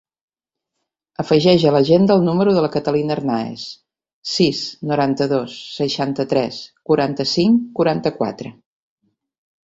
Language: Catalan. Afegeix a l'agenda el número de la Catalina Hernaez: sis, noranta-dos, seixanta-tres, quaranta-cinc, quaranta-quatre.